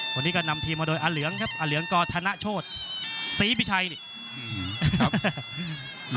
วันนี้ก็นำทีมมาโดยอาเหลืองครับอาเหลืองกอธนโชธศรีพิชัยนี่ครับ